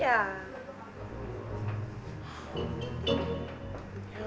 ya gak bisa lah